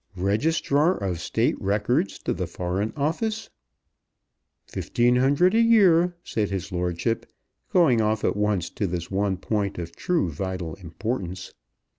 "Registrar of State Records to the Foreign Office!" "Fifteen hundred a year," said his lordship, going off at once to this one point of true vital importance.